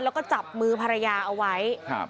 แล้วก็จับมือภรรยาเอาไว้ครับ